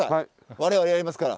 我々やりますから。